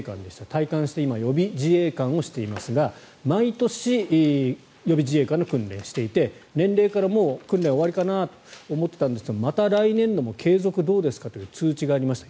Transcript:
退官して今は予備自衛官をしていますが毎年予備自衛官の訓練をしていて年齢からもう訓練は終わりかなと思っていたんですがまた来年度も継続どうですか？という通知がありました